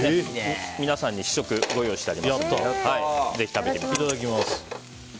皆さんに試食ご用意してありますのでいただきます。